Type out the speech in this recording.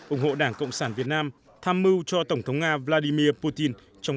ủng hộ đảng cộng sản việt nam tham mưu cho tổng thống nga vladimir putin trong